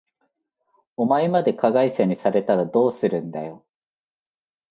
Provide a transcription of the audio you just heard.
お前まで加害者にされたらどうするんだよ。